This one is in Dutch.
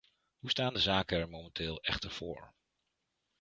Hoe staan de zaken er momenteel echter voor?